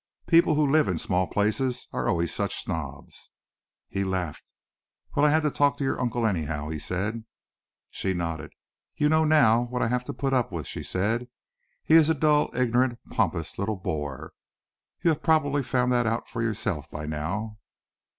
People who live in small places are always such snobs." He laughed. "Well, I had to talk to your uncle, anyhow," he said. She nodded. "You know now what I have to put up with," she said. "He is a dull, ignorant, pompous little bore. You have probably found that out for yourself by now."